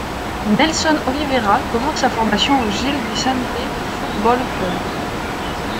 Nélson Oliveira commence sa formation au Gil Vicente Futebol Clube.